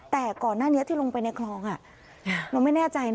แต่ก่อนหน้าเนี้ยลงไปในคลองน้ำเป็นไม่แน่ใจ